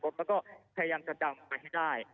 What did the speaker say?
ก็ก็พยายามจะดำมาให้ได้